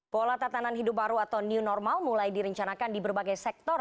pola tatanan hidup baru atau new normal mulai direncanakan di berbagai sektor